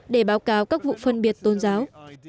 để báo cáo các vụ phân biệt tôn giáo